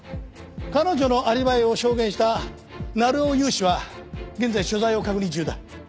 彼女のアリバイを証言した鳴尾勇志は現在所在を確認中だ。